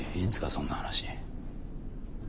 そんな話。